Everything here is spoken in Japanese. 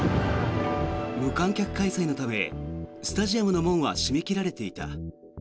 無観客開催のためスタジアムの門は閉め切られていた。